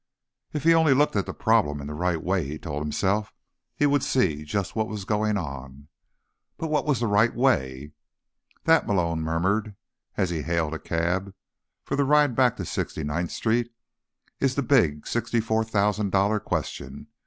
If he only looked at the problem in the right way, he told himself, he would see just what was going on. But what was the right way? "That," Malone murmured as he hailed a cab for the ride back to 69th Street, "is the big, sixty four thousand dollar question.